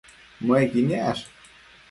Muequi niash